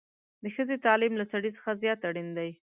د ښځې تعليم له سړي څخه زيات اړين دی